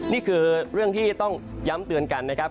นี่คือเรื่องที่ต้องย้ำเตือนกันนะครับ